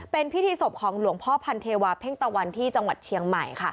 เป็นพิธีศพของหลวงพ่อพันเทวาเพ่งตะวันที่จังหวัดเชียงใหม่